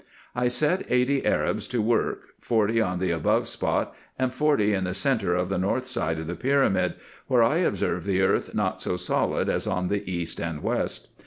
I set eighty Arabs to work, forty on the above spot, and forty in the centre of the north side of the pyramid, where I observed the earth not so solid as on the east and west.